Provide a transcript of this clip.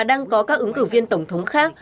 đang có các ứng cử viên tổng thống khác